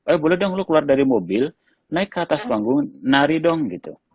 eh boleh dong lu keluar dari mobil naik ke atas panggung nari dong gitu